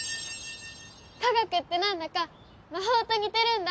化学ってなんだか魔法と似てるんだ！